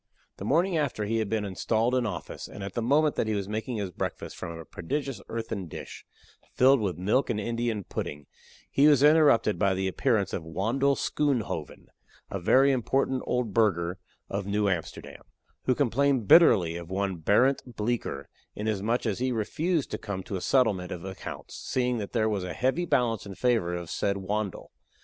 The morning after he had been installed in office, and at the moment that he was making his breakfast from a prodigious earthen dish, filled with milk and Indian pudding, he was interrupted by the appearance of Wandle Schoonhoven, a very important old burgher of New Amsterdam, who complained bitterly of one Barent Bleecker, inasmuch as he refused to come to a settlement of accounts, seeing that there was a heavy balance in favor of the said Wandle.